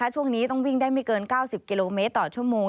ช่วงนี้ต้องวิ่งได้ไม่เกิน๙๐กิโลเมตรต่อชั่วโมง